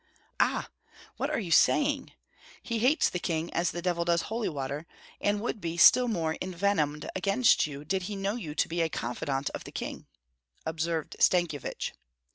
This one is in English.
"Ah! what are you saying? He hates the king as the devil does holy water, and would be still more envenomed against you did he know you to be a confidant of the king," observed Stankyevich.